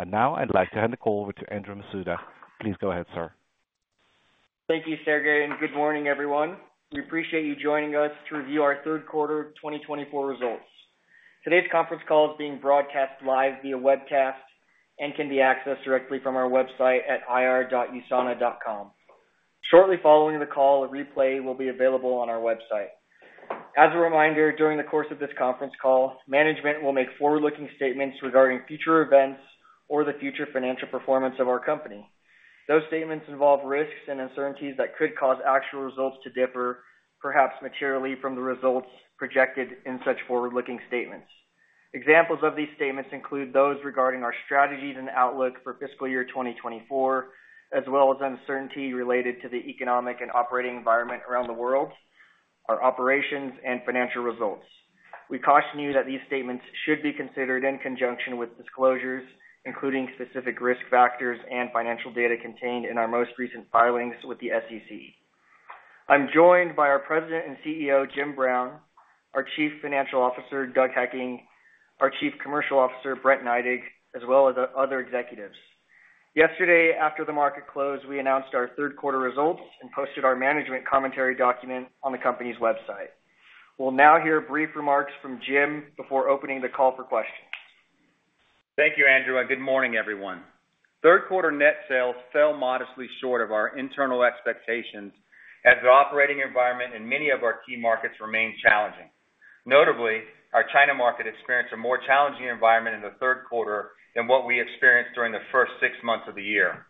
And now I'd like to hand the call over to Andrew Masuda. Please go ahead, sir. Thank you, Sergei, and good morning, everyone. We appreciate you joining us to review our third quarter of 2024 results. Today's conference call is being broadcast live via webcast and can be accessed directly from our website at ir.usana.com. Shortly following the call, a replay will be available on our website. As a reminder, during the course of this conference call, management will make forward-looking statements regarding future events or the future financial performance of our company. Those statements involve risks and uncertainties that could cause actual results to differ, perhaps materially, from the results projected in such forward-looking statements. Examples of these statements include those regarding our strategies and outlook for fiscal year 2024, as well as uncertainty related to the economic and operating environment around the world, our operations and financial results. We caution you that these statements should be considered in conjunction with disclosures, including specific risk factors and financial data contained in our most recent filings with the SEC. I'm joined by our President and CEO, Jim Brown, our Chief Financial Officer, Doug Hekking, our Chief Commercial Officer, Brent Neidig, as well as other executives. Yesterday, after the market closed, we announced our third quarter results and posted our management commentary document on the company's website. We'll now hear brief remarks from Jim before opening the call for questions. Thank you, Andrew, and good morning, everyone. Third quarter net sales fell modestly short of our internal expectations as the operating environment in many of our key markets remained challenging. Notably, our China market experienced a more challenging environment in the third quarter than what we experienced during the first six months of the year.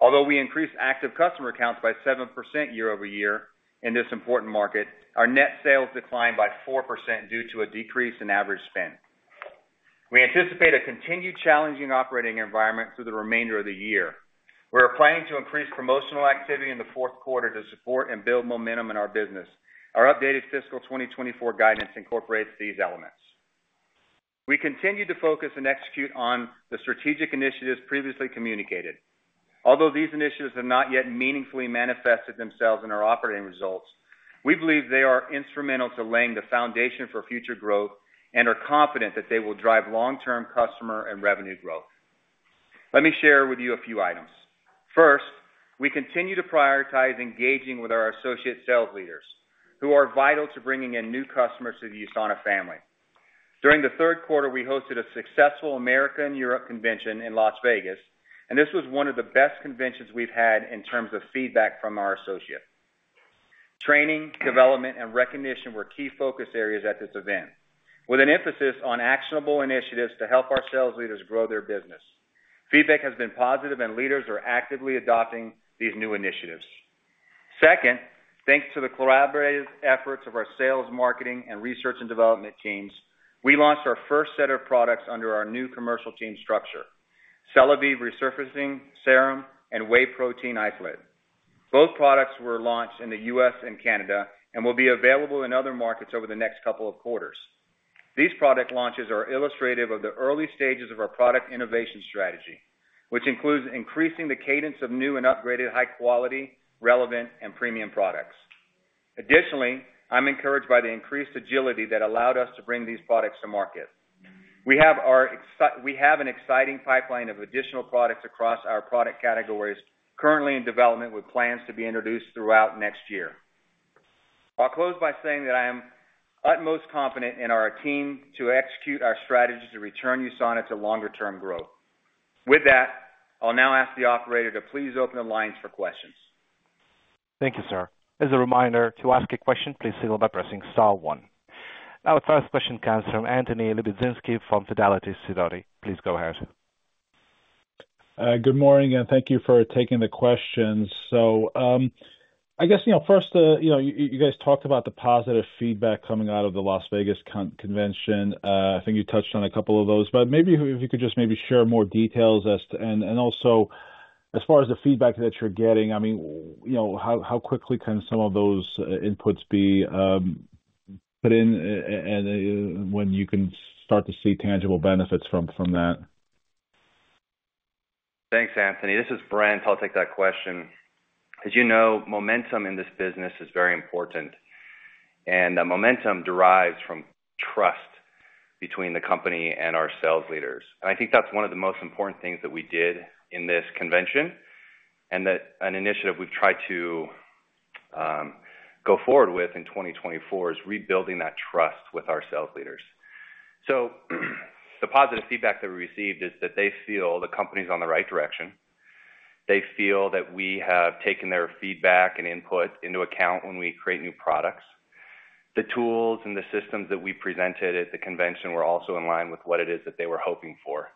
Although we increased active customer accounts by 7% year over year in this important market, our net sales declined by 4% due to a decrease in average spend. We anticipate a continued challenging operating environment through the remainder of the year. We're planning to increase promotional activity in the fourth quarter to support and build momentum in our business. Our updated fiscal 2024 guidance incorporates these elements. We continue to focus and execute on the strategic initiatives previously communicated. Although these initiatives have not yet meaningfully manifested themselves in our operating results, we believe they are instrumental to laying the foundation for future growth and are confident that they will drive long-term customer and revenue growth. Let me share with you a few items. First, we continue to prioritize engaging with our associate sales leaders, who are vital to bringing in new customers to the USANA family. During the third quarter, we hosted a successful Americas and Europe Convention in Las Vegas, and this was one of the best conventions we've had in terms of feedback from our associates. Training, development, and recognition were key focus areas at this event, with an emphasis on actionable initiatives to help our sales leaders grow their business. Feedback has been positive, and leaders are actively adopting these new initiatives. Second, thanks to the collaborative efforts of our sales, marketing, and research and development teams, we launched our first set of products under our new commercial team structure, Celavive Resurfacing Serum and Whey Protein Isolate. Both products were launched in the US and Canada and will be available in other markets over the next couple of quarters. These product launches are illustrative of the early stages of our product innovation strategy, which includes increasing the cadence of new and upgraded high quality, relevant, and premium products. Additionally, I'm encouraged by the increased agility that allowed us to bring these products to market. We have an exciting pipeline of additional products across our product categories, currently in development, with plans to be introduced throughout next year. I'll close by saying that I am utmost confident in our team to execute our strategy to return USANA to longer-term growth. With that, I'll now ask the operator to please open the lines for questions. Thank you, sir. As a reminder, to ask a question, please signal by pressing star one. Our first question comes from Anthony Lebiedzinski from Sidoti. Please go ahead. Good morning and thank you for taking the questions. So, I guess, you know, first, you know, you guys talked about the positive feedback coming out of the Las Vegas convention. I think you touched on a couple of those, but maybe if you could just maybe share more details and also, as far as the feedback that you're getting, I mean, you know, how quickly can some of those inputs be put in, and when you can start to see tangible benefits from that? Thanks, Anthony. This is Brent. I'll take that question. As you know, momentum in this business is very important, and momentum derives from trust between the company and our sales leaders. And I think that's one of the most important things that we did in this convention, and that an initiative we've tried to go forward with in 2024 is rebuilding that trust with our sales leaders. So, the positive feedback that we received is that they feel the company's on the right direction. They feel that we have taken their feedback and input into account when we create new products. The tools and the systems that we presented at the convention were also in line with what it is that they were hoping for.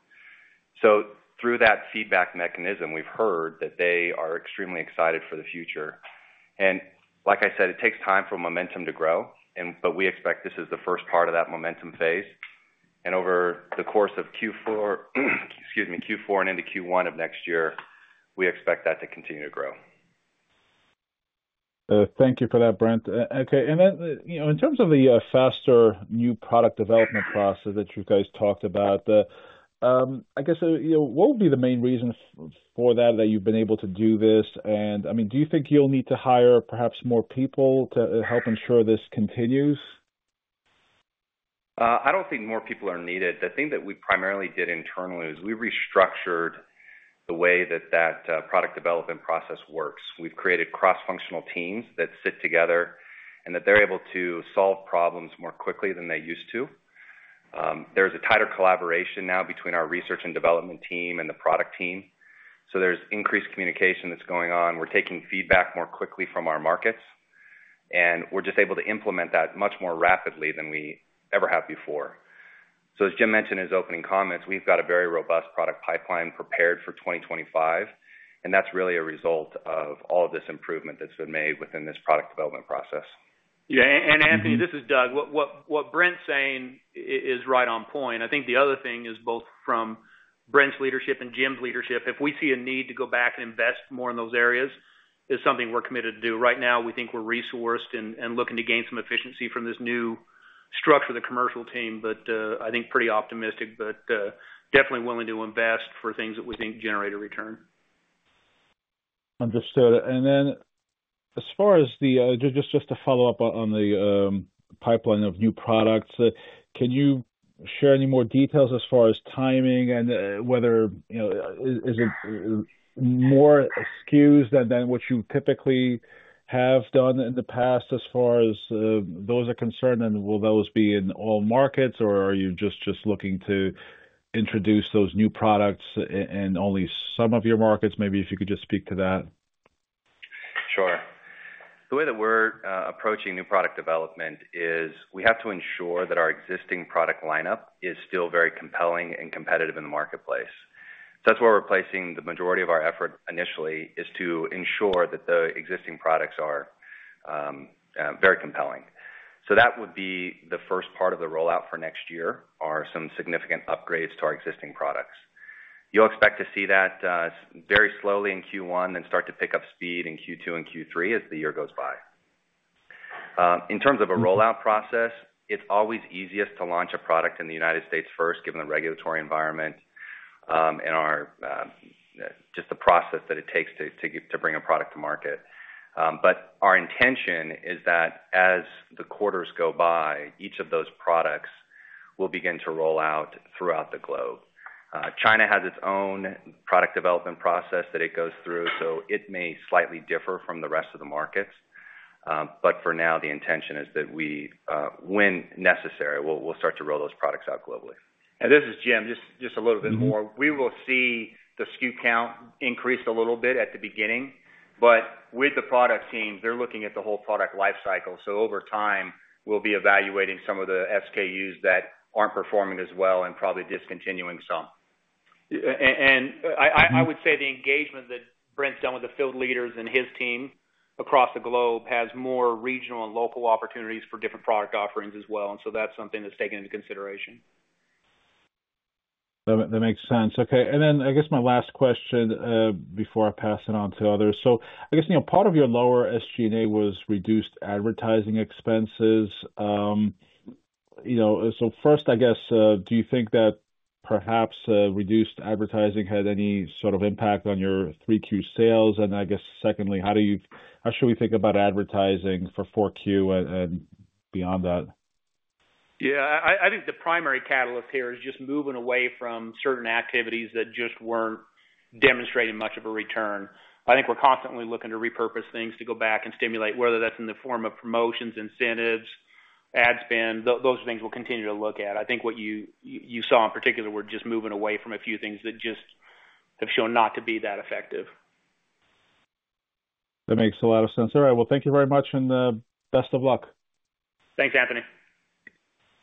So, through that feedback mechanism, we've heard that they are extremely excited for the future. And like I said, it takes time for momentum to grow but we expect this is the first part of that momentum phase. And over the course of fourth quarter, excuse me, fourth quarter and into first quarter of next year, we expect that to continue to grow. Thank you for that, Brent. Okay, and then, you know, in terms of the faster new product development process that you guys talked about, I guess, you know, what would be the main reason for that, that you've been able to do this? And, I mean, do you think you'll need to hire perhaps more people to help ensure this continues? I don't think more people are needed. The thing that we primarily did internally is we restructured the way that product development process works. We've created cross-functional teams that sit together, and that they're able to solve problems more quickly than they used to. There's a tighter collaboration now between our research and development team and the product team. So, there's increased communication that's going on. We're taking feedback more quickly from our markets, and we're just able to implement that much more rapidly than we ever have before. So, as Jim mentioned in his opening comments, we've got a very robust product pipeline prepared for 2025, and that's really a result of all this improvement that's been made within this product development process. Yeah, Anthony, this is Doug. What Brent's saying is right on point. I think the other thing is both from Brent's leadership and Jim's leadership. If we see a need to go back and invest more in those areas, it's something we're committed to do. Right now, we think we're resourced and looking to gain some efficiency from this new structure of the commercial team, but I think pretty optimistic, but definitely willing to invest for things that we think generate a return. Understood, and then as far as the just to follow up on the pipeline of new products, can you share any more details as far as timing and whether you know is it more SKUs than what you typically have done in the past as far as those are concerned? And will those be in all markets, or are you just looking to introduce those new products in only some of your markets? Maybe if you could just speak to that. Sure. The way that we're approaching new product development is we have to ensure that our existing product lineup is still very compelling and competitive in the marketplace. So, that's where we're placing the majority of our effort initially, is to ensure that the existing products are very compelling. So, that would be the first part of the rollout for next year, are some significant upgrades to our existing products. You'll expect to see that very slowly in first quarter and start to pick up speed in second quarter and third quarter as the year goes by. In terms of a rollout process, it's always easiest to launch a product in the United States first, given the regulatory environment, and our just the process that it takes to bring a product to market. But our intention is that as the quarters go by, each of those products will begin to roll out throughout the globe. China has its own product development process that it goes through, so it may slightly differ from the rest of the markets. But for now, the intention is that we, when necessary, we'll start to roll those products out globally. This is Jim. Just a little bit more. We will see the SKU count increase a little bit at the beginning, but with the product teams, they're looking at the whole product life cycle. Over time, we'll be evaluating some of the SKUs that aren't performing as well and probably discontinuing some. I would say the engagement that Brent's done with the field leaders and his team across the globe has more regional and local opportunities for different product offerings as well, and that's something that's taken into consideration. That makes sense. Okay, and then I guess my last question before I pass it on to others. So, I guess, you know, part of your lower SG&A was reduced advertising expenses. You know, so first, I guess, do you think that perhaps reduced advertising had any sort of impact on your 3Q sales? And I guess secondly, how do you, how should we think about advertising for 4Q and beyond that? Yeah, I think the primary catalyst here is just moving away from certain activities that just weren't demonstrating much of a return. I think we're constantly looking to repurpose things to go back and stimulate, whether that's in the form of promotions, incentives, ad spend, those things we'll continue to look at. I think what you saw in particular were just moving away from a few things that just have shown not to be that effective. That makes a lot of sense. All right, well, thank you very much, and best of luck. Thanks, Anthony.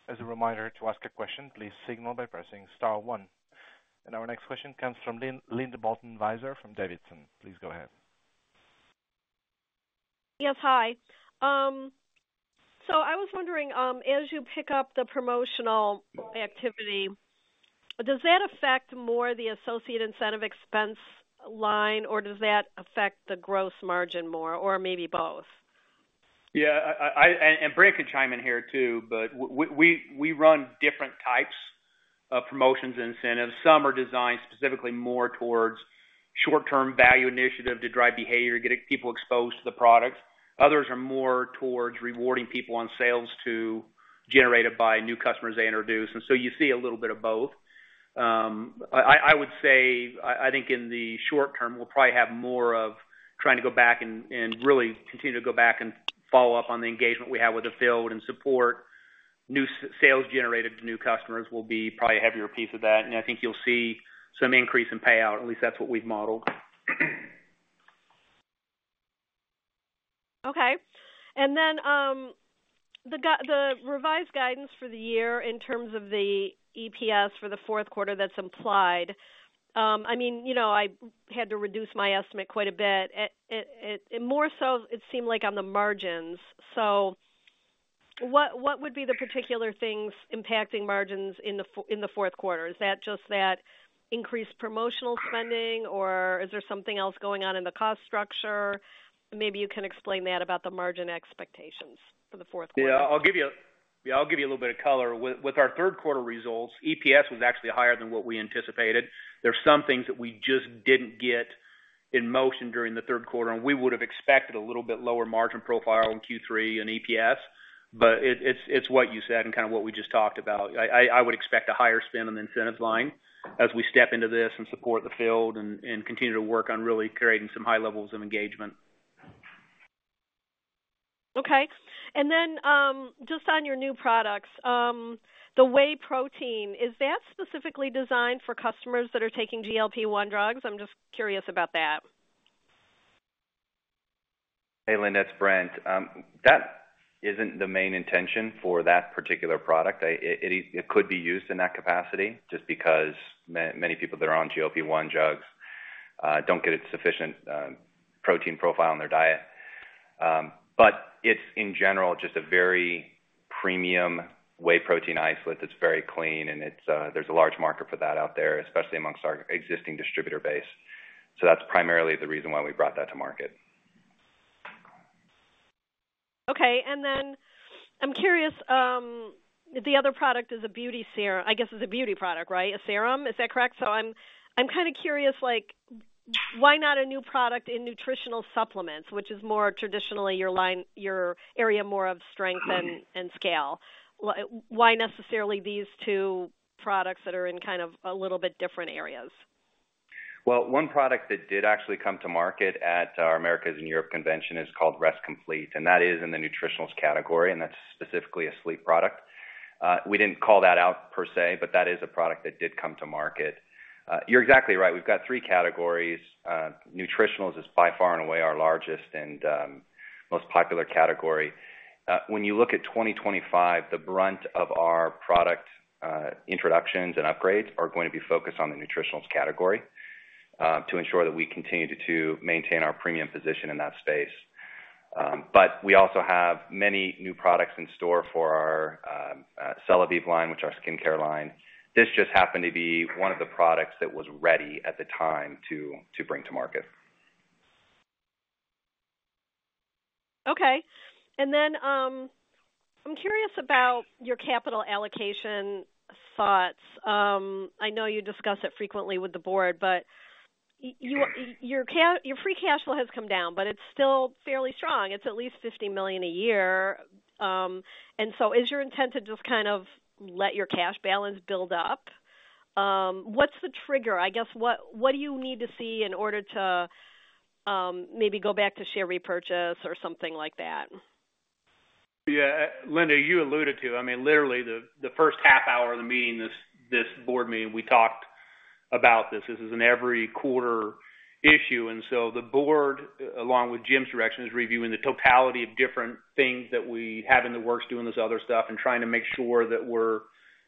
As a reminder, to ask a question, please signal by pressing star one. And our next question comes from Linda Bolton Weiser from Davidson. Please go ahead. Yes, hi. So, I was wondering, as you pick up the promotional activity, does that affect more the associate incentive expense line, or does that affect the gross margin more, or maybe both? Yeah, I and Brent can chime in here, too, but we run different types of promotions incentives. Some are designed specifically more towards short-term value initiative to drive behavior, getting people exposed to the products. Others are more towards rewarding people on sales to generate it by new customers they introduce, and so you see a little bit of both. I would say, I think in the short term, we'll probably have more of trying to go back and really continue to go back and follow up on the engagement we have with the field and support. New sales generated to new customers will be probably a heavier piece of that, and I think you'll see some increase in payout. At least that's what we've modeled. Okay. And then, the revised guidance for the year in terms of the EPS for the fourth quarter, that's implied. I mean, you know, I had to reduce my estimate quite a bit, and more so it seemed like on the margins, so what would be the particular things impacting margins in the fourth quarter? Is that just that increased promotional spending, or is there something else going on in the cost structure? Maybe you can explain that about the margin expectations for the fourth quarter? Yeah, I'll give you a little bit of color. With our third quarter results, EPS was actually higher than what we anticipated. There are some things that we just didn't get in motion during the third quarter, and we would have expected a little bit lower margin profile in third quarter and EPS, but it's what you said and kinda what we just talked about. I would expect a higher spend on the incentives line as we step into this and support the field and continue to work on really creating some high levels of engagement. Okay. And then, just on your new products, the whey protein, is that specifically designed for customers that are taking GLP-1 drugs? I'm just curious about that. Hey, Linda, it's Brent. That isn't the main intention for that particular product. It could be used in that capacity just because many people that are on GLP-1 drugs don't get a sufficient protein profile in their diet. But it's, in general, just a very premium whey protein isolate that's very clean, and it's. There's a large market for that out there, especially amongst our existing distributor base. So, that's primarily the reason why we brought that to market. Okay, and then I'm curious, the other product is a beauty serum. I guess it's a beauty product, right? A serum, is that correct? So, I'm kinda curious, like, why not a new product in nutritional supplements, which is more traditionally your line, your area more of strength and scale? Why necessarily these two products that are in kind of a little bit different areas? One product that did actually come to market at our Americas and Europe Convention is called Rest Complete, and that is in the nutritionals category, and that's specifically a sleep product. We didn't call that out per se, but that is a product that did come to market. You're exactly right. We've got three categories. Nutritionals is by far and away our largest and most popular category. When you look at 2025, the brunt of our product introductions and upgrades are going to be focused on the nutritionals category to ensure that we continue to maintain our premium position in that space. But we also have many new products in store for our Celavive line, which is our skincare line. This just happened to be one of the products that was ready at the time to bring to market. Okay. And then, I'm curious about your capital allocation thoughts. I know you discuss it frequently with the board, but your free cash flow has come down, but it's still fairly strong. It's at least $50 million a year. And so is your intent to just kind of let your cash balance build up? What's the trigger? I guess, what do you need to see in order to maybe go back to share repurchase or something like that? Yeah, Linda, you alluded to, I mean, literally, the first half hour of the meeting, this board meeting, we talked about this. This is an every quarter issue, and so the board, along with Jim's direction, is reviewing the totality of different things that we have in the works, doing this other stuff, and trying to make sure that we're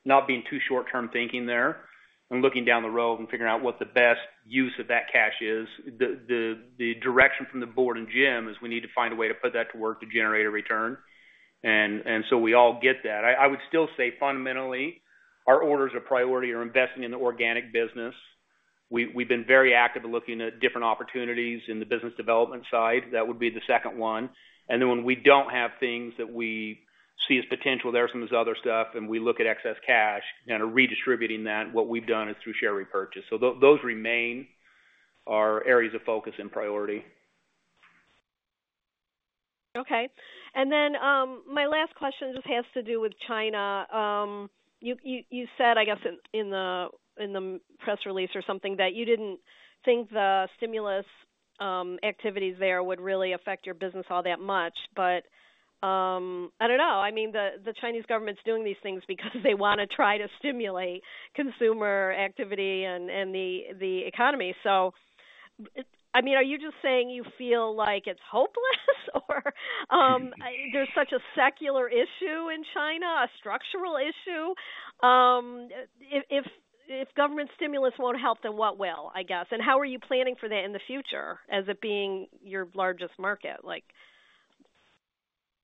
not being too short-term thinking there and looking down the road and figuring out what the best use of that cash is. The direction from the board and Jim is we need to find a way to put that to work to generate a return, and so we all get that. I would still say, fundamentally, our orders of priority are investing in the organic business. We, we've been very active in looking at different opportunities in the business development side. That would be the second one. And then when we don't have things that we see as potential there, some of this other stuff, and we look at excess cash and are redistributing that, what we've done is through share repurchase. So, those remain our areas of focus and priority. Okay. And then, my last question just has to do with China. You said, I guess, in the press release or something, that you didn't think the stimulus activities there would really affect your business all that much. But I don't know. I mean, the Chinese government's doing these things because they wanna try to stimulate consumer activity and the economy. So, I mean, are you just saying you feel like it's hopeless? Or there's such a secular issue in China, a structural issue? If government stimulus won't help, then what will, I guess? And how are you planning for that in the future as it being your largest market like.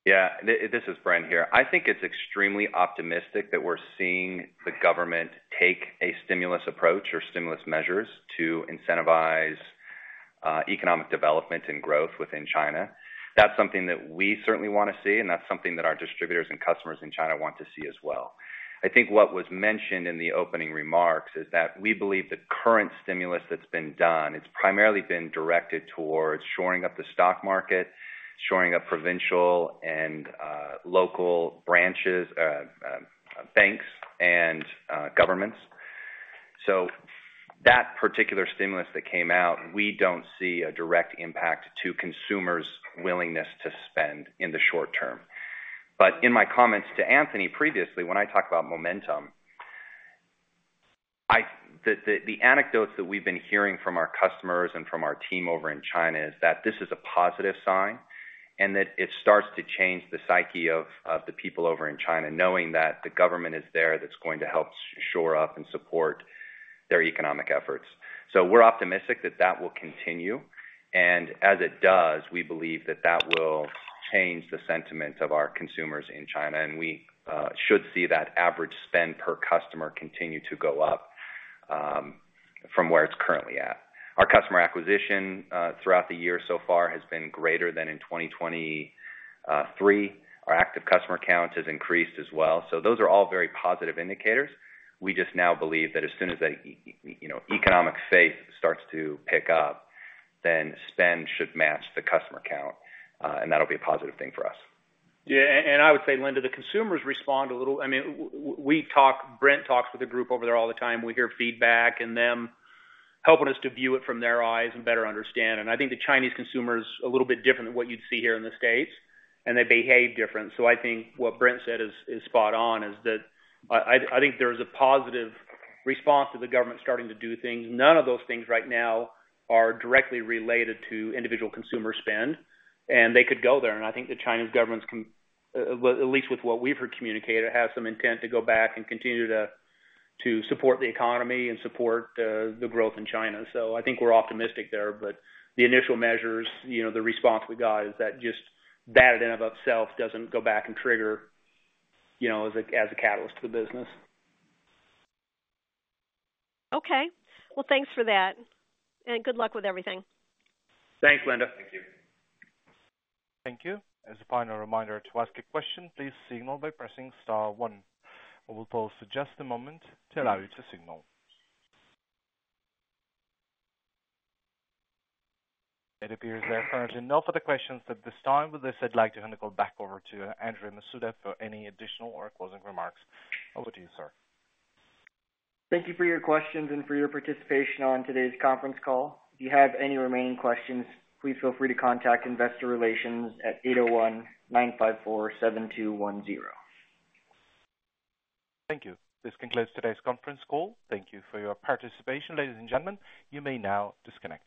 Yeah, this is Brent here. I think it's extremely optimistic that we're seeing the government take a stimulus approach or stimulus measures to incentivize economic development and growth within China. That's something that we certainly wanna see, and that's something that our distributors and customers in China want to see as well. I think what was mentioned in the opening remarks is that we believe the current stimulus that's been done. It's primarily been directed towards shoring up the stock market, shoring up provincial and local branches, banks and governments. So, that particular stimulus that came out, we don't see a direct impact to consumers' willingness to spend in the short term. But in my comments to Anthony previously, when I talked about momentum. The anecdotes that we've been hearing from our customers and from our team over in China is that this is a positive sign, and that it starts to change the psyche of the people over in China, knowing that the government is there, that's going to help shore up and support their economic efforts. So, we're optimistic that that will continue, and as it does, we believe that that will change the sentiment of our consumers in China, and we should see that average spend per customer continue to go up from where it's currently at. Our customer acquisition throughout the year so far has been greater than in 2023. Our active customer count has increased as well. So, those are all very positive indicators. We just now believe that as soon as the economy starts to pick up, you know, then spend should match the customer count, and that'll be a positive thing for us. Yeah, and I would say, Linda, the consumers respond a little. I mean, we talk. Brent talks with the group over there all the time. We hear feedback and them helping us to view it from their eyes and better understand. And I think the Chinese consumer is a little bit different than what you'd see here in the States, and they behave different. So, I think what Brent said is spot on, that I think there is a positive response to the government starting to do things. None of those things right now are directly related to individual consumer spend, and they could go there. And I think the Chinese government's commitment, well, at least with what we've heard communicated, has some intent to go back and continue to support the economy and support the growth in China. So, I think we're optimistic there, but the initial measures, you know, the response we got is that just that in and of itself doesn't go back and trigger, you know, as a catalyst to the business. Okay. Well, thanks for that, and good luck with everything. Thanks, Linda. Thank you. Thank you. As a final reminder to ask a question, please signal by pressing star one. We will pause for just a moment to allow you to signal. It appears there are currently no further questions at this time. With this, I'd like to hand it back over to Andrew Masuda for any additional or closing remarks. Over to you, sir. Thank you for your questions and for your participation on today's conference call. If you have any remaining questions, please feel free to contact Investor Relations at 801-954-7210. Thank you. This concludes today's conference call. Thank you for your participation. Ladies and gentlemen, you may now disconnect.